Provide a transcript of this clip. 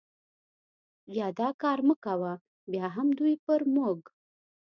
یا دا کار مه کوه، بیا هم دوی پر موږ.